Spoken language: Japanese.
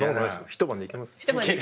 一晩でいけます？